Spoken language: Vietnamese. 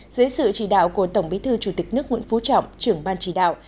dưới sự chỉ đạo của tổng bí thư chủ tịch nước nguyễn phú trọng trưởng ban chỉ đạo